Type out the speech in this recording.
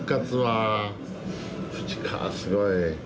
すごい。